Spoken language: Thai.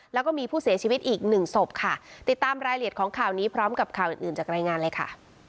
แล้วก็มีผู้เสียชีวิตอีกหนึ่งศพค่ะติดตามรายละเอียดของข่าวนี้พร้อมกับข่าวอื่นอื่นจากรายงานเลยค่ะ